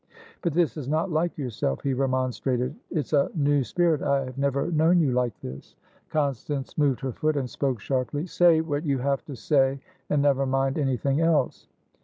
"But this is not like yourself," he remonstrated. "It's a new spirit. I have never known you like this." Constance moved her foot, and spoke sharply. "Say what you have to say, and never mind anything else."